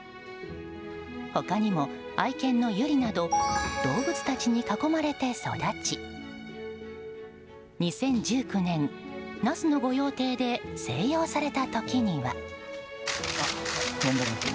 他にも、愛犬の由莉など動物たちに囲まれて育ち２０１９年那須の御用邸で静養された時には。